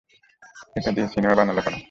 এটা দিয়ে সিনেমা বানালে কেন?